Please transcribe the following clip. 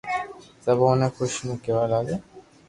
سب اوني خوݾي مون ڪيوا لاگا